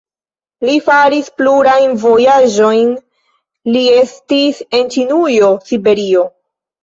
Li faris plurajn vojaĝojn, li estis en Ĉinujo, Siberio.